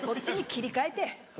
切り替えて。